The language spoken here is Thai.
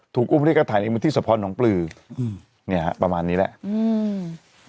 ถูกอุ้มพระเทศกระถ่ายในมือที่สะพรของปลืออืมเนี่ยฮะประมาณนี้แหละอืม